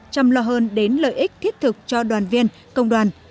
chăm lo hơn đến lợi ích thiết thực cho đoàn viên công đoàn